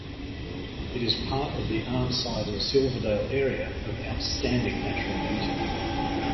It is part of the Arnside and Silverdale Area of Outstanding Natural Beauty.